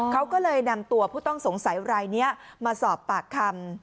เขาก็เลยนำตัวผู้ต้องสงสัยรายนี้มาสอบปากคำ